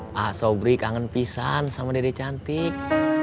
pak sobri kangen pisan sama dede cantik